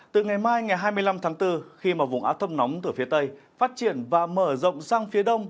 từ ngày mai ngày hai mươi năm tháng bốn khi mà vùng áp thấp nóng từ phía tây phát triển và mở rộng sang phía đông